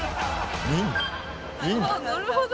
なるほど！